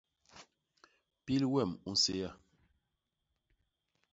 Pil wem u nsééa.